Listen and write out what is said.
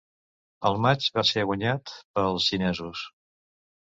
El matx va ser guanyat pels xinesos.